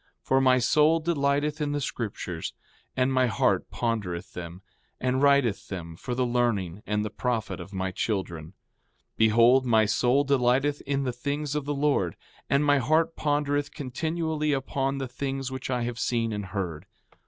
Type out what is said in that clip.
For my soul delighteth in the scriptures, and my heart pondereth them, and writeth them for the learning and the profit of my children. 4:16 Behold, my soul delighteth in the things of the Lord; and my heart pondereth continually upon the things which I have seen and heard.